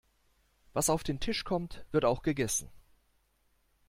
Was auf den Tisch kommt, wird auch gegessen.